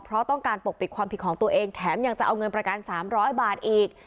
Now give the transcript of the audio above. เพราะต้องการปกปิดความผิดของตัวเองแถมยังจะเอาเงินประกัน๓๐๐บาทอีก